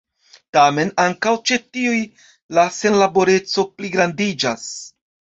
Tamen ankaŭ ĉe tiuj la senlaboreco pligrandiĝas.